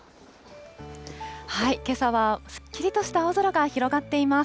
けさはすっきりとした青空が広がっています。